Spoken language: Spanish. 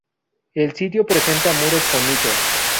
El sitio presenta muros con nichos.